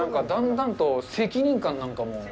だんだんと責任感なんかも。